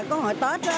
có hồi tết á